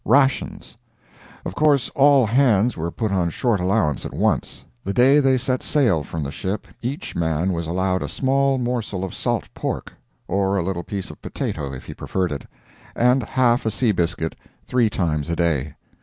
RATIONS Of course, all hands were put on short allowance at once. The day they set sail from the ship each man was allowed a small morsel of salt pork—or a little piece of potato, if he preferred it—and half a sea biscuit three times a day.